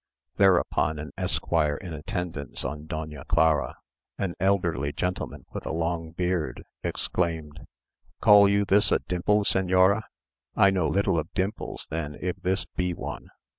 Thereupon an esquire in attendance on Doña Clara, an elderly gentleman with a long beard, exclaimed, "Call you this a dimple, señora? I know little of dimples then if this be one.